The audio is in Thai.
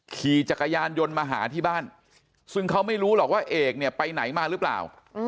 ขี่จักรยานยนต์มาหาที่บ้านซึ่งเขาไม่รู้หรอกว่าเอกเนี่ยไปไหนมาหรือเปล่า